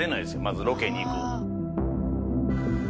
まずロケに行く。